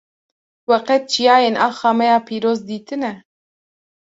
We qet çiyayên axa me ya pîroz dîtine?